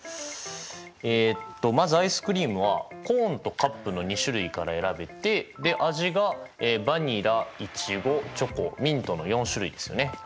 えっとまずアイスクリームはコーンとカップの２種から選べて味がバニラいちごチョコミントの４種類ですよね。